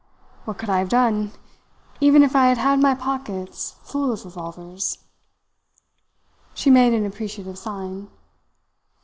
"What could I have done even if I had had my pockets full of revolvers?" She made an appreciative sign.